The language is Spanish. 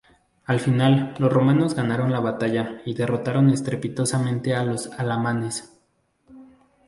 Al final, los romanos ganaron la batalla y derrotaron estrepitosamente a los alamanes.